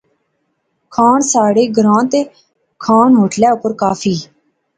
کھان ساڑھا گراں تے کھان ہوٹلے اوپر کافی